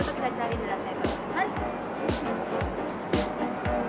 kita cari dulu lah